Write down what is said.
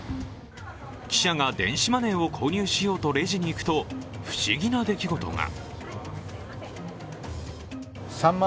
記者が電子マネーを購入しようとレジに行くと不思議な出来事が。